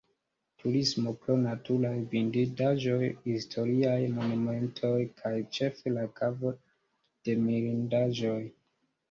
Turismo pro naturaj vidindaĵoj, historiaj, monumentoj kaj ĉefe la Kavo de Mirindaĵoj.